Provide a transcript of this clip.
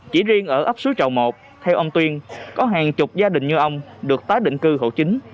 chỉ riêng ở ấp suối trào một theo ông tuyên có hàng chục gia đình như ông được tái định cư hậu chính